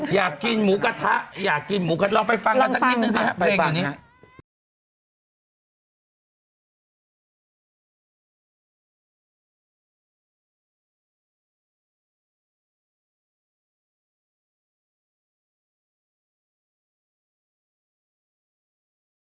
อยากกินหมูกระทะอยากกินหมูกระลองไปฟังกันสักนิดนึงนะครับเพลงเดี๋ยวนี้